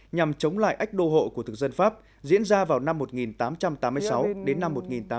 nhằm chống lại ách đô hộ của thực dân pháp diễn ra vào năm một nghìn tám trăm tám mươi sáu đến năm một nghìn tám trăm tám mươi